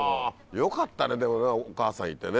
よかったねでもお母さんいてね。